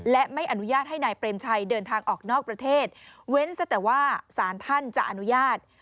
และไม่อนุญาตให้นายเปรมชัยเดินทางออกนอกประเทศเว้นซะแต่ว่าสารท่านจะอนุญาต